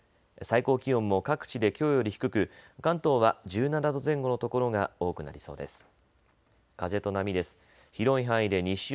最高気温も各地できょうより低く関東は１７度前後の所が多くなりそうです。